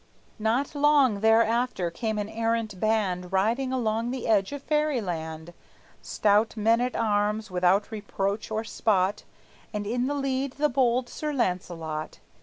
Not long thereafter came an errant band Riding along the edge of Fairyland, Stout men at arms, without reproach or spot, And in the lead the bold Sir Launcelot.